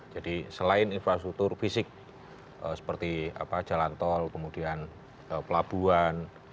jadi selain infrastruktur fisik seperti jalan tol kemudian pelabuhan